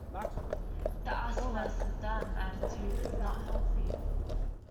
The "us versus them" attitude is not healthy.